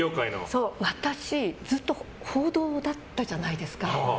私、ずっと報道だったじゃないですか。